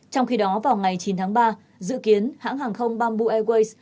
trong khi đó vào ngày chín tháng ba dự kiến hãng hàng không bamboo airways